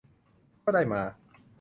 ก็ได้มา